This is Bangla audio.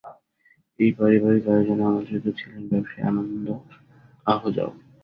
এই পারিবারিক আয়োজনে আমন্ত্রিত ছিলেন ব্যবসায়ী আনন্দ আহুজাও।